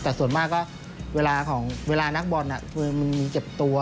แต่ส่วนมากก็เวลาของเวลานักบอลมันมีเจ็บตัว